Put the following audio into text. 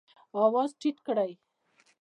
آواز ټیټ کړئ